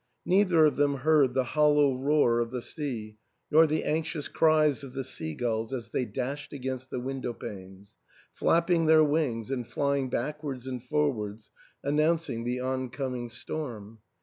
Neither of them heard the hollow roar of the sea, nor the anxious cries of the sea gulls as they dashed against the window panes, flapping their wings and flying backwards and forwards, announcing the oncoming storm.